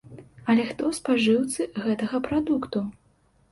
Але хто спажыўцы гэтага прадукту?